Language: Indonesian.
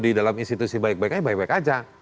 di dalam institusi baik baiknya baik baik aja